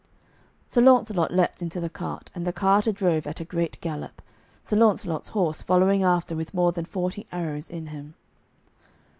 Sir Launcelot leaped into the cart, and the carter drove at a great gallop, Sir Launcelot's horse following after with more than forty arrows in him.